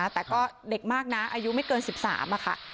แต่ก็เด็กมากนะอายุไม่เกิน๑๓ค่ะ